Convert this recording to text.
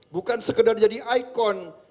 bukan sekedar jadi ikon